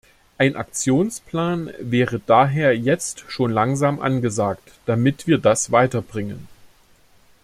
Ein Aktionsplan wäre daher jetzt schon langsam angesagt, damit wir das weiterbringen.